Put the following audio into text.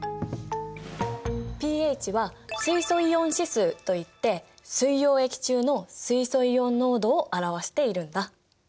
ｐＨは水素イオン指数といって水溶液中の水素イオン濃度を表しているんだ。